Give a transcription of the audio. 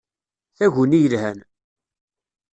Taguni yelhan!